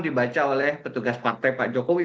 dibaca oleh petugas partai pak jokowi